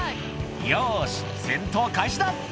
「よし戦闘開始だ！」